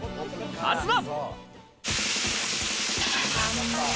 まずは。